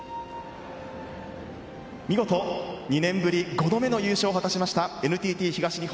見事２年ぶり５度目の優勝を果たしましたＮＴＴ東日本